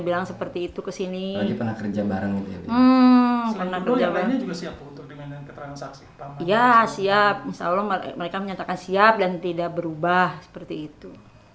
bilang seperti itu kesini lagi pernah kerja bareng ya siap siap dan tidak berubah seperti itu